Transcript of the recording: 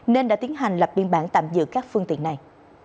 nên đã tiến hành lập biên bản tạm giữ các phương tiện này